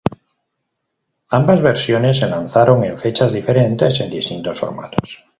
Ambas versiones se lanzaron en fechas diferentes en distintos formatos.